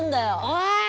おい！